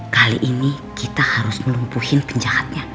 kali ini kita harus melumpuhin penjahatnya